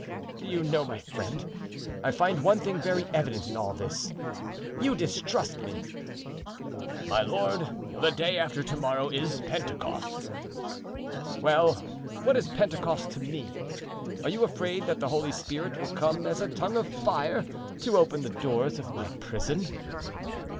"Do you know, my friend, I find one thing very evident in all this, you distrust me." "My lord, the day after to morrow is Pentecost." "Well, what is Pentecost to me? Are you afraid that the Holy Spirit will come as a tongue of fire to open the doors of my prison?"